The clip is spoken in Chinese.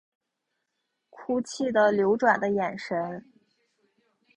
哭泣的流转的眼神